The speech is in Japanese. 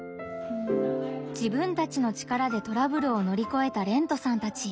自分たちの力でトラブルをのりこえたれんとさんたち。